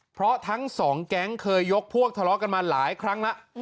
เพราะทั้งสองแก๊งเคยยกพวกทะเลาะกันมาหลายครั้งแล้ว